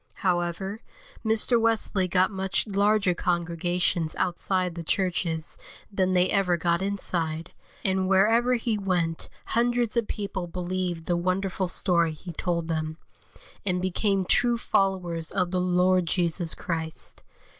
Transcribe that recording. However, Mr. Wesley got much larger congregations outside the churches than they ever got inside, and wherever he went hundreds of people believed the wonderful story he told them, and became true followers of the Lord Jesus Christ.